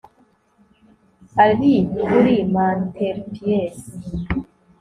Ari kuri mantelpiece